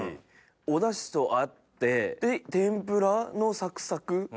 お出汁と合って天ぷらのサクサク。